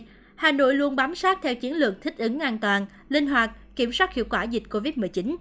vì vậy hà nội luôn bám sát theo chiến lược thích ứng an toàn linh hoạt kiểm soát hiệu quả dịch covid một mươi chín